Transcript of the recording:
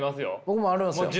僕もあるんですよ。